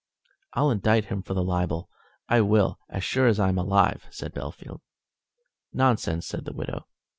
"I'll indict him for the libel I will, as sure as I'm alive," said Bellfield. "Nonsense," said the widow.